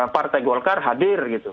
partai golkar hadir gitu